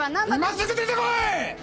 今すぐ出てこい！！